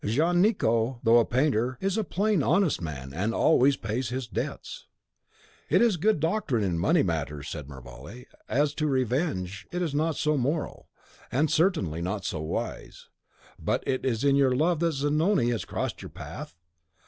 Jean Nicot, though a painter, is a plain, honest man, and always pays his debts." "It is a good doctrine in money matters," said Mervale; "as to revenge, it is not so moral, and certainly not so wise. But is it in your love that Zanoni has crossed your path?